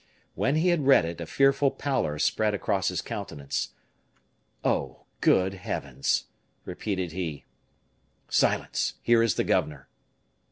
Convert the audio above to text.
When he had read it, a fearful pallor spread across his countenance. "Oh! good heavens!" repeated he. "Silence! Here is the governor."